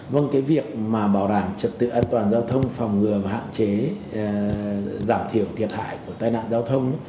vâng cái việc mà bảo đảm trật tự an toàn giao thông phòng ngừa và hạn chế giảm thiểu thiệt hại của tai nạn giao thông